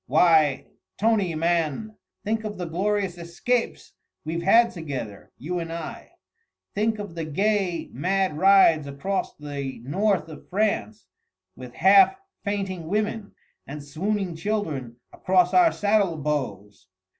Why, Tony man! think of the glorious escapes we've had together, you and I! Think of the gay, mad rides across the north of France, with half fainting women and swooning children across our saddle bows!